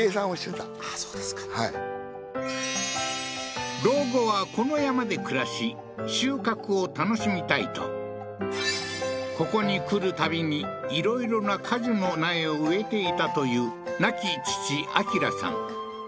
そうですかはい老後はこの山で暮らし収穫を楽しみたいとここに来るたびにいろいろな果樹の苗を植えていたという亡き父彰さん